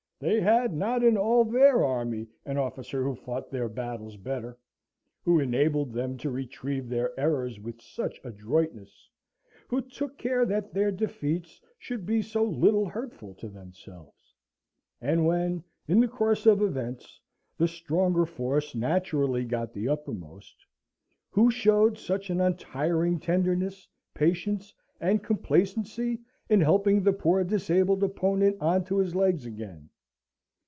They had not in all their army an officer who fought their battles better; who enabled them to retrieve their errors with such adroitness; who took care that their defeats should be so little hurtful to themselves; and when, in the course of events, the stronger force naturally got the uppermost, who showed such an untiring tenderness, patience, and complacency in helping the poor disabled opponent on to his legs again.